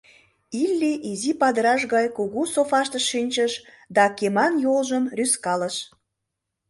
Илли изи падыраш гай кугу софаште шинчыш да кеман йолжым рӱзкалыш.